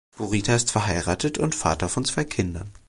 Bourita ist verheiratet und Vater von zwei Kindern.